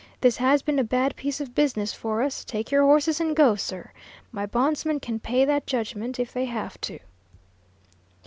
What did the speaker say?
This has been a bad piece of business for us take your horses and go, sir. My bondsmen can pay that judgment, if they have to."